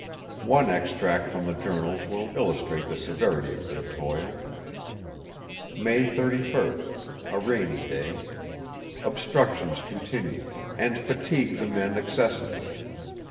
One extract from the journals will illustrate the severity of their toil: "May 31st [a rainy day]. Obstructions continue, and fatigue the men excessively.